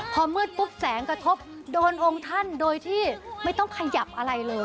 พอมืดปุ๊บแสงกระทบโดนองค์ท่านโดยที่ไม่ต้องขยับอะไรเลย